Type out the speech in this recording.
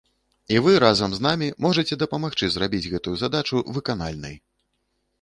І вы разам з намі можаце дапамагчы зрабіць гэтую задачу выканальнай!